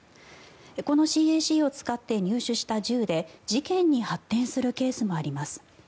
このＣＡＣを使って入手した銃で事件に発展するケースもあります。